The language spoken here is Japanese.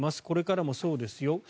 これからもそうですよ